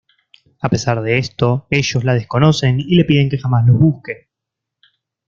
A pesar de esto ellos la desconocen y le piden que jamás los busque.